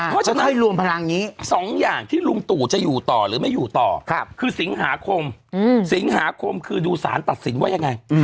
เพราะฉะนั้น๒อย่างที่ลุงตู่จะอยู่ต่อหรือไม่อยู่ต่อคือสิงหาคมสิงหาคมคือดูสารตัดสินว่ายังไง